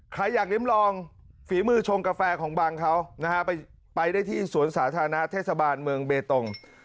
ใครอยากลิ้มลองฝีมือชงกาแฟของบังเขานะฮะไปได้ที่สวนสาธารณะเทศบาลเมืองเบตง